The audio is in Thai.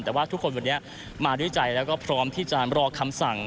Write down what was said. แต่ว่าทุกคนวันนี้มาด้วยใจแล้วก็พร้อมที่จะรอคำสั่ง